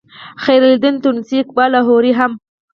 خیرالدین تونسي اقبال لاهوري هم